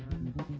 saya silahkan ini